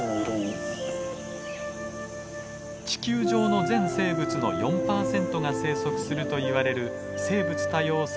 地球上の全生物の４％が生息するといわれる生物多様性